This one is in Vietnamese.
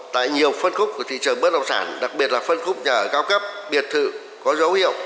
tại nhiều phân khúc của thị trường bất động sản đặc biệt là phân khúc nhà ở cao cấp biệt thự có dấu hiệu